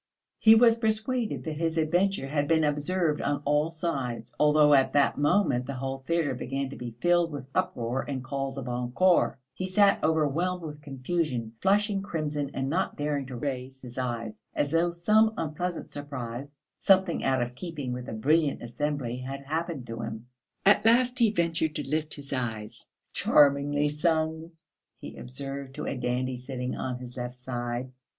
He was persuaded that his adventure had been observed on all sides, although at that moment the whole theatre began to be filled with uproar and calls of encore. He sat overwhelmed with confusion, flushing crimson and not daring to raise his eyes, as though some unpleasant surprise, something out of keeping with the brilliant assembly had happened to him. At last he ventured to lift his eyes. "Charmingly sung," he observed to a dandy sitting on his left side.